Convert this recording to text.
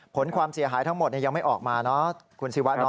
ผลความเสียหายทั้งหมดยังไม่ออกมาเนาะคุณศิวะ